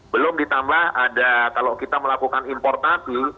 belum ditambah ada kalau kita melakukan importasi